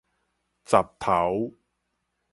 雜頭